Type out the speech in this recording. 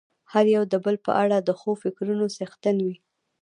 هر يو د بل په اړه د ښو فکرونو څښتن وي.